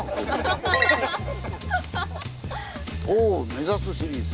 お目指すシリーズ。